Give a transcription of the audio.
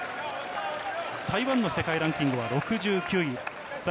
台湾の世界ランキングは６９位。